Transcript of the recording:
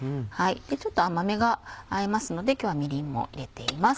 ちょっと甘めが合いますので今日はみりんも入れています。